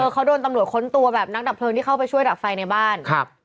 เขาโดนตำรวจค้นตัวแบบนักดับเพลิงที่เข้าไปช่วยดับไฟในบ้านครับ